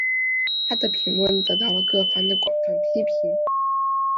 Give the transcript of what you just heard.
她的评论得到了各方的广泛批评。